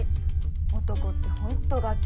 男ってホントガキ。